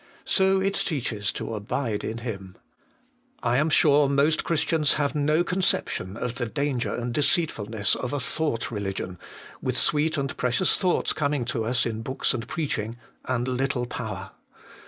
So it teaches to abide in Him. I am sure most Christians haue no conception of the danger and deceitfulness of a thought religion, with sweet and precious thoughts coming to us in boohs and preaching, and little power.